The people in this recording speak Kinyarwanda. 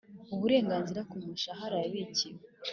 Uburenganzira ku mushahara yabikiwe